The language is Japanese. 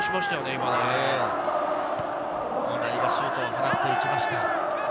今井がシュートを放っていきました。